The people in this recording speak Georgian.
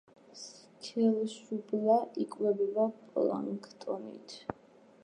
სქელშუბლა იკვებება პლანქტონით.